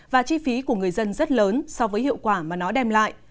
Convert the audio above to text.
và chi phí của người dân rất lớn so với hiệu quả mà nó đem lại